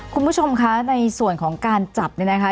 คุณผู้ชมคะในส่วนของการจับเนี่ยนะคะ